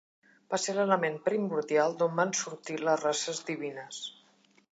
Va ser l'element primordial d'on van sortir les races divines.